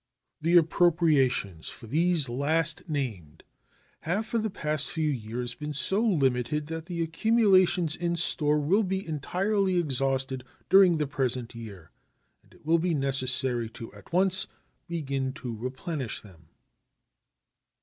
The appropriations for these last named have for the past few years been so limited that the accumulations in store will be entirely exhausted during the present year, and it will be necessary to at once begin to replenish them.